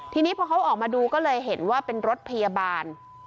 ทีนี้พอเขาออกมาดูก็เลยเห็นว่าเป็นรถพยาบาล